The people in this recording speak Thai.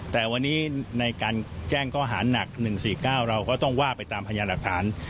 แต่วันนี้ในการแจ้งข้อหาหนัก๑๔๙เราก็ต้องว่าไปตามพยานหลักฐาน